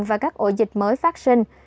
và các ổ dịch mới phát sinh